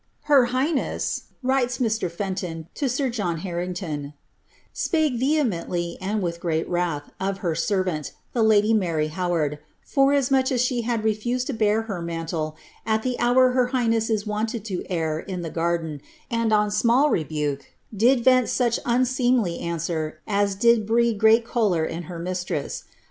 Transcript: ^ Her highness," writes Mr. Fenton to sir John Harrington, ^ spake vehemently, and with great wrath, of her servant, the lady Mary How tid, fomsmnch as she had refused to bear her mantle at the hour her highness is wonted to air in the garden, and on small rebuke, did vent nidi unseemly answer as did breed great choler in her mistress.